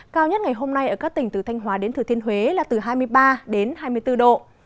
cao nhất ngày hôm nay ở các tỉnh từ thanh hóa đến thừa thiên huế là từ hai mươi ba đến hai mươi bốn độ